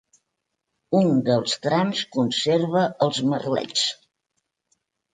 Un dels trams conserva els merlets.